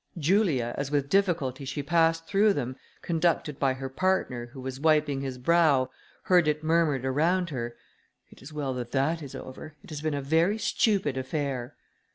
Julia, as with difficulty she passed through them, conducted by her partner, who was wiping his brow, heard it murmured around her, "It is well that that is over; it has been a very stupid affair."